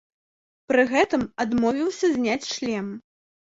Пры гэтым адмовіўся зняць шлем.